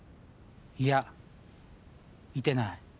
いや見てない。